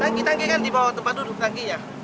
tangki tangki kan di bawah tempat duduk tangkinya